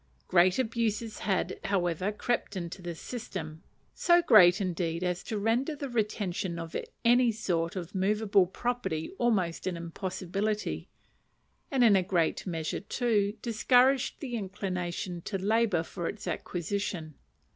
Great abuses had, however, crept into this system so great, indeed, as to render the retention of any sort of movable property almost an impossibility, and in a great measure, too, discourage the inclination to labour for its acquisition.